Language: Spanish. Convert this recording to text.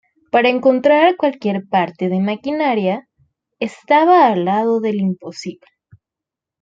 Para encontrar cualquier parte de maquinaria… estaba al lado del imposible'.